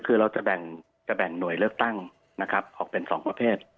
คือเราจะแบ่งหน่วยเลือกตั้งนะครับออกเป็น๒ประเภท